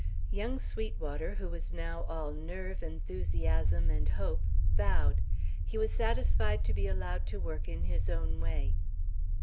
Young Sweetwater, who was now all nerve, enthusiasm, and hope, bowed. He was satisfied to be allowed to work in his own way.